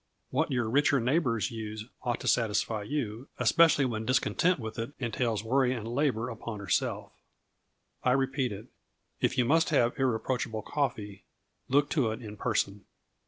What your richer neighbors use ought to satisfy you, especially when discontent with it entails worry and labor upon herself. I repeat it: If you must have irreproachable coffee, look to it in person.